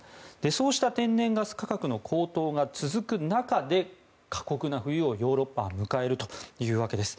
そうした天然ガス価格の高騰が続く中で過酷な冬をヨーロッパは迎えるというわけです。